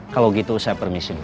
kalau gitu saya permisi dulu